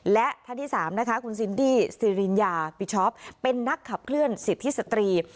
และท่านที่๓นะคะคุณซินดี้สิริญญาปิชอปเป็นนักขับเคลื่อนสิทธิสตรี